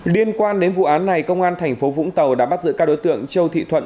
liên quan đến vụ án này công an thành phố vũng tàu đã bắt giữ các đối tượng châu thị thuận